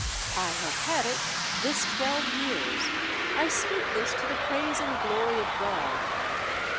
I have had it this twelve years. I speak this to the praise and glory of God.